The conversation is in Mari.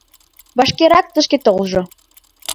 Вашкерак тышке толжо.